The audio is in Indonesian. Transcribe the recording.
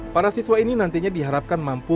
para siswa ini nantinya diharapkan mampu